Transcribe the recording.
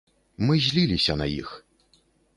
Мы зліліся на іх.